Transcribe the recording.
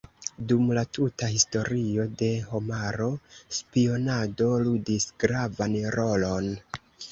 Dum la tuta Historio de homaro spionado ludis gravan rolon.